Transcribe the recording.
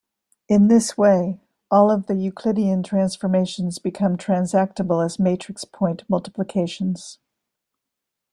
In this way, all of the euclidean transformations become transactable as matrix point multiplications.